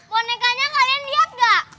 bonekanya kalian lihat gak